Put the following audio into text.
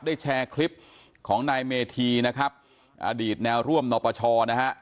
แชร์คลิปของนายเมธีนะครับอดีตแนวร่วมนอปชนะฮะ